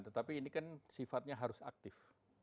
tetapi ini kan sifatnya harus aktif